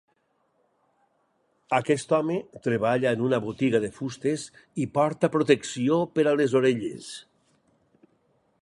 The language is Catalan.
Aquest home treballa en una botiga de fustes i porta protecció per a les orelles.